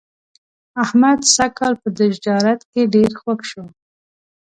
احمد سږ کال په تجارت کې ډېر خوږ شو.